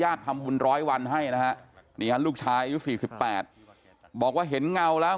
ทำบุญร้อยวันให้นะฮะนี่ฮะลูกชายอายุ๔๘บอกว่าเห็นเงาแล้ว